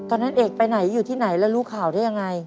เอกไปไหนอยู่ที่ไหนแล้วรู้ข่าวได้ยังไง